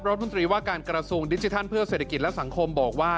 รัฐมนตรีว่าการกระทรวงดิจิทัลเพื่อเศรษฐกิจและสังคมบอกว่า